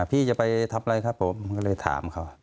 พี่จะไปทำอะไรครับผมก็เลยถามเขา